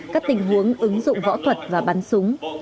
các tình huống ứng dụng võ thuật và bắn súng